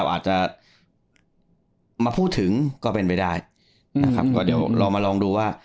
อาจจะมาพูดถึงก็เป็นไปได้นะครับก็เดี๋ยวเรามาลองดูว่า